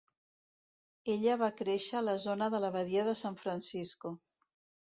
Ella va créixer a la zona de la Badia de San Francisco.